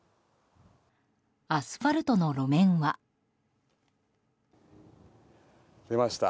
アスファルトの路面は。出ました。